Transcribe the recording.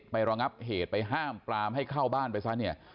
ระงับเหตุไปห้ามปลามให้เข้าบ้านไปซะเนี่ย